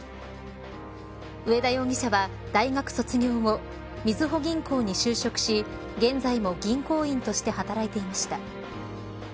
上田容疑者は大学卒業後みずほ銀行に就職し現在も銀行員として働いていました。